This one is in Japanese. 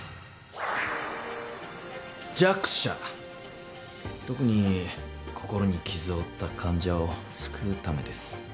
弱者、特に心に傷を負った患者を救うためです。